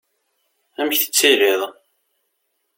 Amek tettiliḍ?